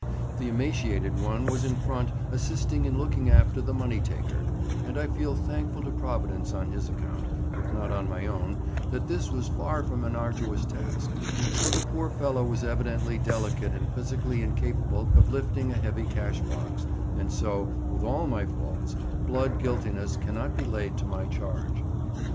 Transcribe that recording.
The emaciated one was in front assisting in looking after the money taker; and I feel thankful to Providence on his account, if not on my own, that this was far from an arduous task, for the poor fellow was evidently delicate and physically incapable of lifting a heavy cash box, and so, with all my faults, blood guiltiness cannot be laid to my charge.